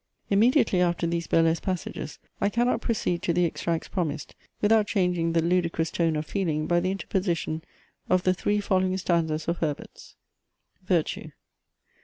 Immediately after these burlesque passages I cannot proceed to the extracts promised, without changing the ludicrous tone of feeling by the interposition of the three following stanzas of Herbert's. VIRTUE.